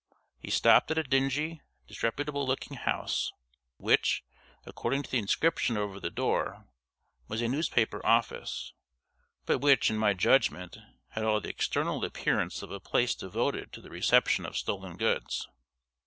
He stopped at a dingy, disreputable looking house, which, according to the inscription over the door, was a newspaper office, but which, in my judgment, had all the external appearance of a place devoted to the reception of stolen goods.